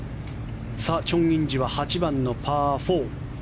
チョン・インジは８番のパー４。